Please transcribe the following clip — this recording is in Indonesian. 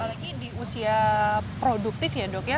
apalagi di usia produktif ya dok ya